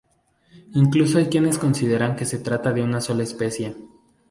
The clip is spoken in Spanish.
Incluso hay quienes consideran que se trata de una sola especie.